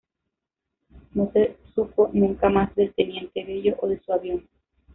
No se supo nunca más del Teniente Bello o de su Avión.